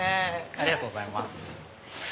ありがとうございます。